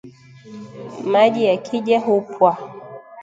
Maji yakija hupwa